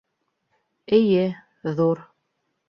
Эйе, ҙур